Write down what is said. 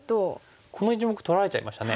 この１目取られちゃいましたね。